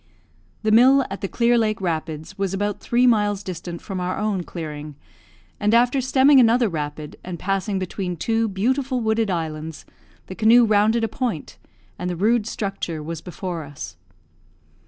The mill at the Clear Lake rapids was about three miles distant from our own clearing; and after stemming another rapid, and passing between two beautiful wooded islands, the canoe rounded a point, and the rude structure was before us.